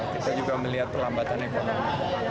kita juga melihat perlambatan ekonomi